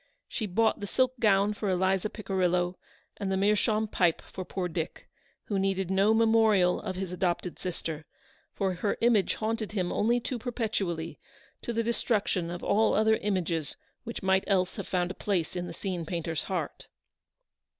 She bought the silk gown for Eliza Pici rillo, and the meerschaum pipe for poor Dick, who needed no memorial of his adopted sister; for her image haunted him only too perpetually, to the destruction of all other images which might else have found a place in the scene painter's heart.